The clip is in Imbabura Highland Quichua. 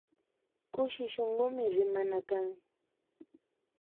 Kushi shunkumi rimana kan